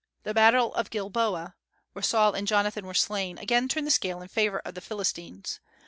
The battle of Gilboa, where Saul and Jonathan were slain, again turned the scale in favor of the Philistines.